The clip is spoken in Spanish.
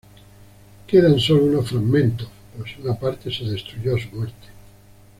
Quedan sólo unos fragmentos, pues una parte se destruyó a su muerte.